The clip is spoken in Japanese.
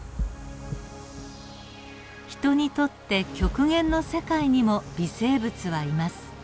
ヒトにとって極限の世界にも微生物はいます。